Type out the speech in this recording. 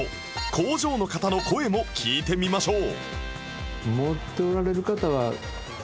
工場の方の声も聞いてみましょう